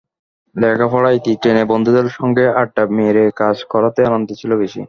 লেখাপড়ায় ইতি টেনে বন্ধুদের সঙ্গে আড্ডা মেরে কাজ করাতেই আনন্দ ছিল বেশি।